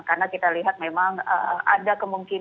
karena kita lihat memang ada kemungkinan